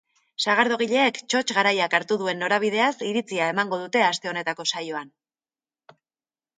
Sagardogileek txotx garaiak hartu duen norabideaz iritzia emango dute aste honetako saioan.